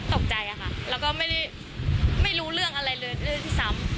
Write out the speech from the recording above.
ตกใจอะค่ะแล้วก็ไม่รู้เรื่องอะไรเลยที่ซ้ำ